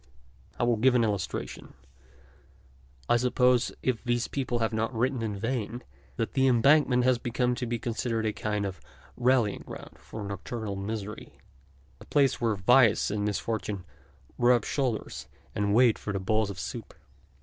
I will give an illustration. I suppose, if these people have not written in vain, that the Embankment has come to be considered a kind of rallying ground for nocturnal misery, a place where vice and misfortune rub shoulders and wait for bowls of soup.